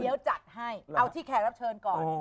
เดี๋ยวจัดให้เอาที่แขกรับเชิญก่อน